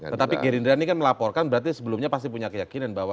tetapi gerindra ini kan melaporkan berarti sebelumnya pasti punya keyakinan bahwa